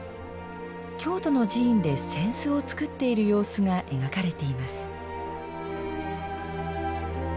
京都の寺院で扇子を作っている様子が描かれています。